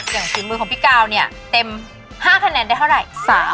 ฝีมือของพี่กาวเนี่ยเต็ม๕คะแนนได้เท่าไหร่